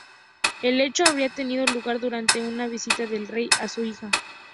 El hecho habría tenido lugar durante una visita del rey a su hija.